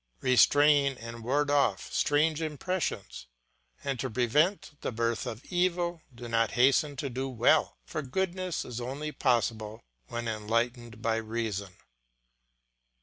Restrain and ward off strange impressions; and to prevent the birth of evil do not hasten to do well, for goodness is only possible when enlightened by reason.